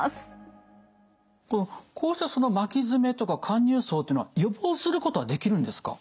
こうした巻き爪とか陥入爪っていうのは予防することはできるんですか？